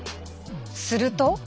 すると。